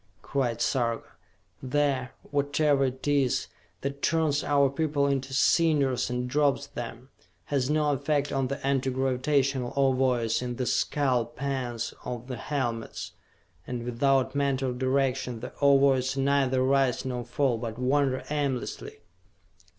cried Sarka. "The whatever it is that turns our people into cinders and drops them, has no effect on the Anti Gravitational Ovoids in the skull pans of the helmets, and without mental direction, the Ovoids neither rise nor fall but wander aimlessly!